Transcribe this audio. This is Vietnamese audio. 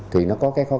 thì nó có cái